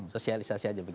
sosialisasi aja begitu